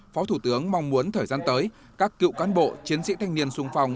phó thủ tướng mong muốn thời gian tới các cựu cán bộ chiến sĩ thanh niên sung phong